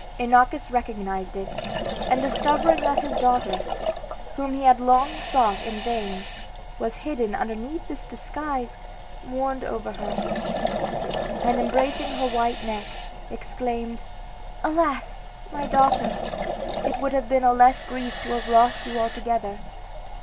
Inachus recognized it, and discovering that his daughter, whom he had long sought in vain, was hidden under this disguise, mourned over her, and, embracing her white neck, exclaimed, "Alas! my daughter, it would have been a less grief to have lost you altogether!"